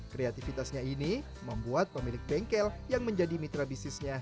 kreativitasnya ini membuat pemilik bengkel yang menjadi mitra bisnisnya